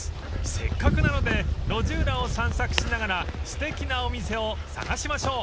［せっかくなので路地裏を散策しながらすてきなお店を探しましょう］